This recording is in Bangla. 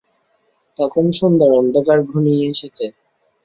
তখন সন্ধ্যার অন্ধকার ঘনিয়ে এসেছে।